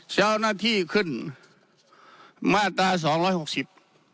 เจ้าหน้าที่ขึ้นมาตราสองร้อยหกสิบ